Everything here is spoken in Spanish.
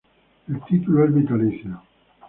El título es vitalicio.